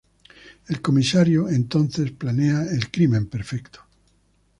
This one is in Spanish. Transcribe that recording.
El comisario, entonces, planea el crimen perfecto.